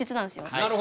なるほど。